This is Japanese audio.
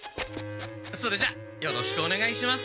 それじゃよろしくおねがいします！